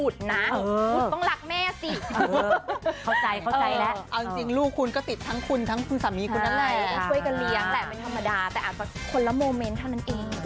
แต่อาจเป็นคนละโมเมนต์เท่านั้นเอง